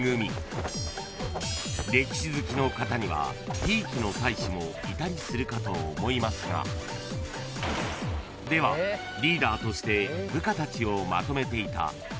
［歴史好きの方にはひいきの隊士もいたりするかと思いますがではリーダーとして部下たちをまとめていた］